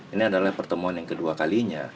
ini adalah pertemuan yang kedua kalinya